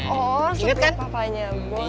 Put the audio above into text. oh supir papanya boy